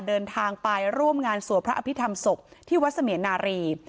เดินทางไปร่วมงานสวดพระอภิษฐรรมศพที่วัดเสมียนารี